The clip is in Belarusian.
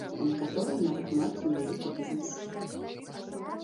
А некаторыя нават маюць невялікі бізнэс.